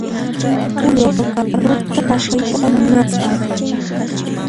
Julio Carlosta takayta munasqa.